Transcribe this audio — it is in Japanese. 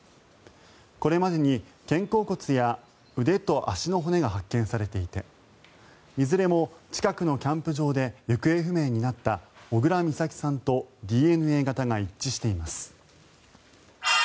これまでに肩甲骨や腕と足の骨が発見されていていずれも近くのキャンプ場で行方不明になった小倉美咲さんとＤＮＡ型が一致しています。